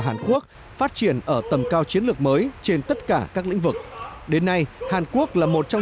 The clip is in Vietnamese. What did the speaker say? hàn quốc phát triển ở tầm cao chiến lược mới trên tất cả các lĩnh vực đến nay hàn quốc là một trong